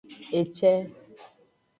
Ece.